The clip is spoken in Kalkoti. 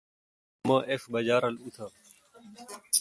مہ ایݭٹ بجا رل اُتہ۔